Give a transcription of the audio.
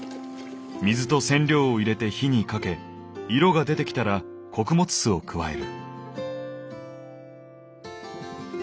水と染料を入れて火にかけ色が出てきたら穀物酢を加える。